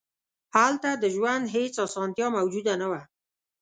هلته د ژوند هېڅ اسانتیا موجود نه وه.